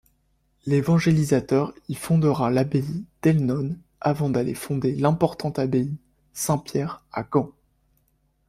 L'évangélisateur y fondera l'abbaye d'Elnone avant d'aller fonder l'importante abbaye Saint-Pierre à Gand.